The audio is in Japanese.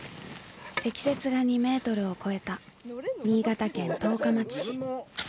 積雪が２メートルを超えた新潟県十日町市。